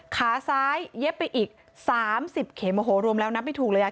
ขาซ้ายเย็บไปอีก๓๐เข็มโอ้โหรวมแล้วนับไม่ถูกเลยอ่ะ